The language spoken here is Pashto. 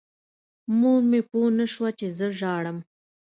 مور مې پوه نه شوه چې زه ژاړم.